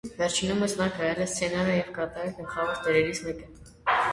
Վերջինումս նա գրել է սցենարը և կատարել գլխավոր դերերից մեկը։